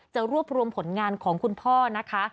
รวบรวมผลงานของคุณพ่อนะคะ